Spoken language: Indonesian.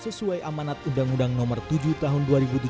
sesuai amanat undang undang nomor tujuh tahun dua ribu tujuh belas